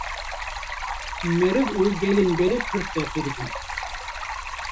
Meriv û gelên berê pir feqîr bûn